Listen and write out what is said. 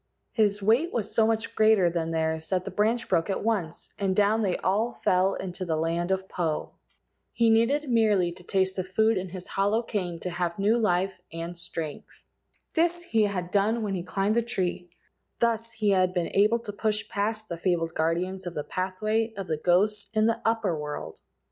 His weight was so much greater than theirs that the branch broke at once, and down they all fell into the land of Po. He needed merely to taste the food in his hollow * Ulu or Artocarpus incisa. MALUAE AND THE UNDER WORLD 19 cane to have new life and strength. This he had done when he climbed the tree; thus he had been able to push past the fabled guardians of the pathway of the ghosts in the Upper world.